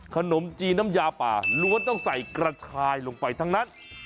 ขนมจีนน้ำยาป่าล้วนต้องใส่กระชายลงไปทั้งนั้น